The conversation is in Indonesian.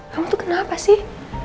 kamu tuh kenapa sih